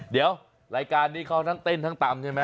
เดี๋ยวรายการนี้เขาทั้งเต้นทั้งตำใช่ไหม